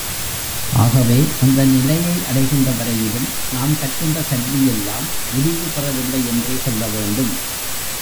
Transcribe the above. ஆகவே அந்த நிலையை அடைகின்ற வரையிலும் நாம் கற்கின்ற கல்வி எல்லாம் முடிவு பெறவில்லை என்றே சொல்ல வேண்டும்.